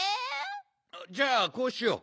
じゃあこうしよう。